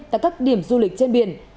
tại các điểm du lịch trên biển